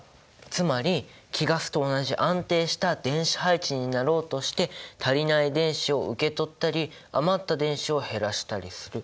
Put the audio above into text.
つまり貴ガスと同じ安定した電子配置になろうとして足りない電子を受け取ったり余った電子を減らしたりする。